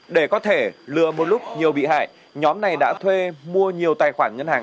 để có thể lừa một lúc nhiều bị hại nhóm này đã thuê mua nhiều tài khoản ngân hàng